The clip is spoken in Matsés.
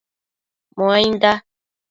Muainda